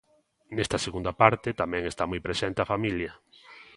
Nesta segunda parte tamén está moi presente a familia.